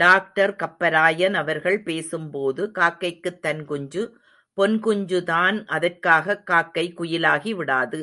Doctor Kapparayan அவர்கள் பேசும்போது காக்கைக்குத் தன் குஞ்சு பொன் குஞ்சுதான் அதற்காகக் காக்கை குயிலாகி விடாது.